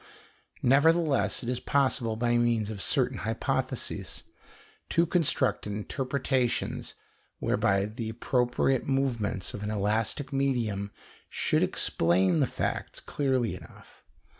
Nevertheless it is possible, by means of certain hypotheses, to construct interpretations whereby the appropriate movements of an elastic medium should explain the facts clearly enough.